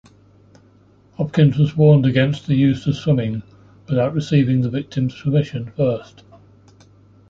Hopkins was warned against the use of "swimming" without receiving the victim's permission first.